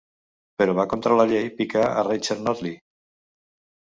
Però va contra la llei picar a Rachel Notley.